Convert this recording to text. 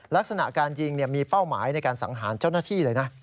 ลักษณะการยิงมีเป้าหมายในการสังหารเจ้าหน้าที่เลยนะ